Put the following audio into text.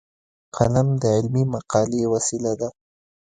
قلم د علمي مقالې وسیله ده